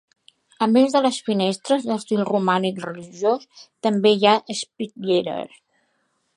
A més de les finestres, d'estil romànic religiós, també hi ha espitlleres.